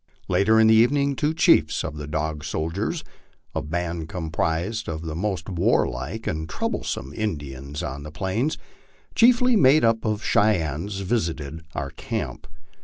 Later in the evening two chiefs of the * Dog Soldiers," a band composed of the most warlike and troublesome Indians on the Plains, chiefly made up of Cheyennes, visited our camp.